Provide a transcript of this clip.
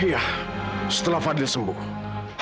iya setelah fadil sembuh